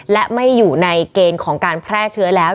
และไม่อยู่ในเกณฑ์ของการแพร่เชื้อแล้ว